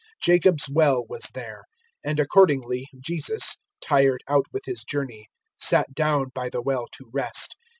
004:006 Jacob's Well was there: and accordingly Jesus, tired out with His journey, sat down by the well to rest.